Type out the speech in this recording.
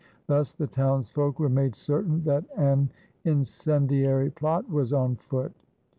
Thus the townsfolk were made certain that an incendiary plot was on foot.